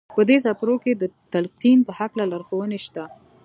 په دې څپرکو کې د تلقین په هکله لارښوونې شته